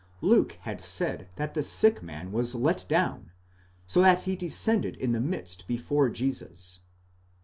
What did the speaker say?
Luke had said that the sick man was let down, so that he descended in the midst before Jesus, ἔμπροσθεν τοῦ Ἰησοῦ.